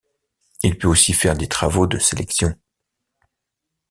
Il peut aussi faire des travaux de sélection.